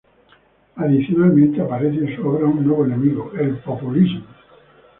Adicionalmente, aparece en su obra un nuevo enemigo: el populismo.